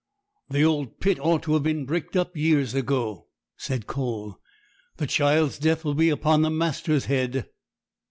'The old pit ought to have been bricked up years ago,' said Cole; 'the child's death will be upon the master's head.'